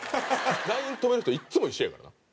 ＬＩＮＥ止める人いつも一緒やからな。